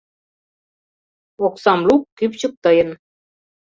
Оксам лук — кӱпчык тыйын...